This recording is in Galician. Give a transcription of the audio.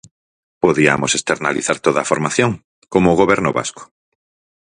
Podiamos externalizar toda a formación, como o goberno vasco.